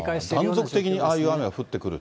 断続的にああいう雨が降ってくる。